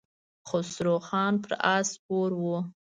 خسرو خان پر آس سپور و.